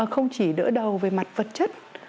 không chỉ đỡ đầu về mặt vật chất